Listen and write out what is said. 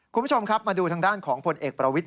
คุณผู้ชมครับมาดูทางด้านของผลเอกประวิทย